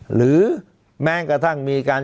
หรือแม้กระทั่งมีการ